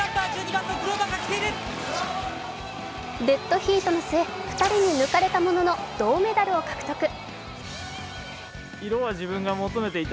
デッドヒートの末、２人に抜かれたものの、銅メダルを獲得。